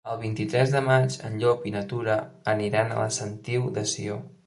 El vint-i-tres de maig en Llop i na Tura aniran a la Sentiu de Sió.